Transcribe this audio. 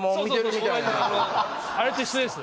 あれと一緒です